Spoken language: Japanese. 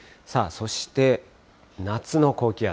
そして、夏の高気圧。